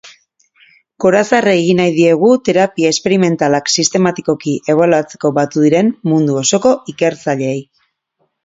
Gorazarre egin nahi diegu terapia esperimentalak sistematikoki ebaluatzeko batu diren mundu osoko ikertzaileei.